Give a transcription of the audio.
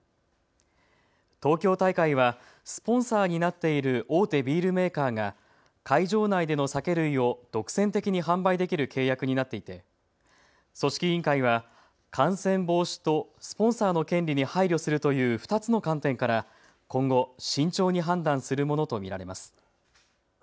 東京大会はスポンサーになっている大手ビールメーカーが会場内での酒類を独占的に販売できる契約になっていて組織委員会は感染防止とスポンサーの権利に配慮するという２つの観点から今後、慎重に判断するものと見られます。